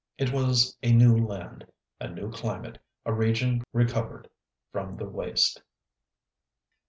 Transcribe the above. It was a new land, a new climate, a region recovered from the waste.